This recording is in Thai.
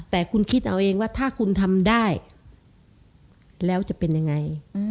แต่คุณคิดเอาเองว่าถ้าคุณทำได้แล้วจะเป็นยังไง